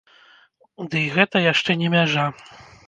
Дый гэта яшчэ не мяжа.